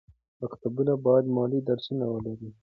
مکتبونه باید مالي درسونه ولري.